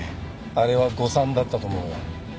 あれは誤算だったと思うよ。